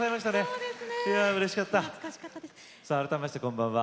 改めまして、こんばんは。